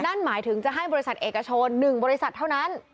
นั่นหมายถึงจะให้บริษัทเอกชน๑บริษัทเท่านั้น